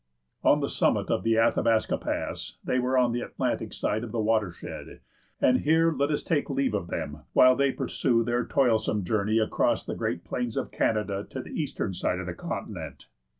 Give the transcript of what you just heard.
On the summit of the Athabasca Pass they were on the Atlantic side of the watershed, and here let us take leave of them while they pursue their toilsome journey across the great plains of Canada to the eastern side of the continent.